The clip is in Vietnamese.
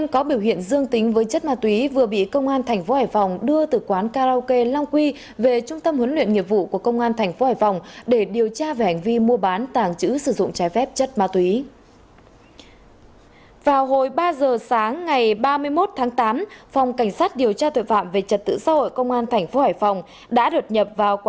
các bạn hãy đăng ký kênh để ủng hộ kênh của chúng mình nhé